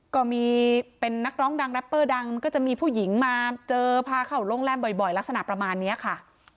ก็มีเป็นนักร้องดังแรปเปอร์ดังก็จะมีผู้หญิงมาเจอพาเข้าโรงแรมบ่อยลักษณะประมาณนี้ค่ะ